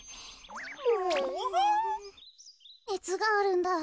ねつがあるんだ。